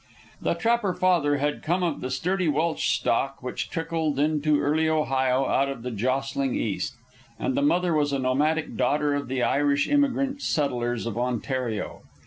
The trapper father had come of the sturdy Welsh stock which trickled into early Ohio out of the jostling East, and the mother was a nomadic daughter of the Irish emigrant settlers of Ontario.